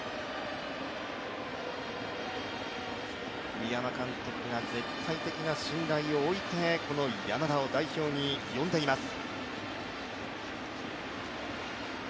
栗山監督が絶対的な信頼を置いてこの山田を代表に呼んでいます。